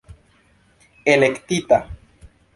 elektita